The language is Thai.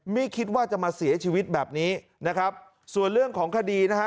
ไม่คิดว่าจะมาเสียชีวิตแบบนี้นะครับส่วนเรื่องของคดีนะฮะ